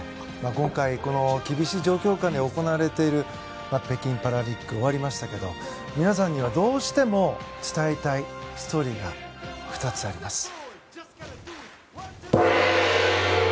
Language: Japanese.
今回、厳しい状況下で行われている北京パラリンピックが終わりましたが皆さんにはどうしても伝えたいストーリーが２つ、あります。